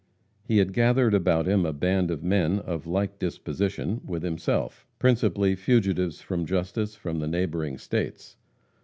He had gathered about him a band of men of like disposition with himself principally fugitives from justice from the neighboring states.